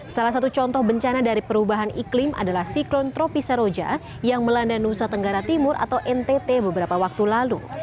salah satu contoh bencana dari perubahan iklim adalah siklon tropi saroja yang melanda nusa tenggara timur atau ntt beberapa waktu lalu